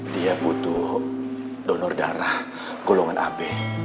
dia butuh donor darah golongan ab